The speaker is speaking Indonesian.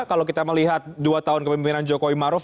kalau kita melihat dua tahun kepemimpinan jokowi maruf